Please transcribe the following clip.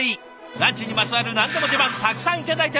ランチにまつわる何でも自慢たくさん頂いてます。